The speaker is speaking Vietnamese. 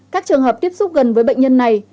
các trường hợp tiếp xúc gần với bệnh nhân này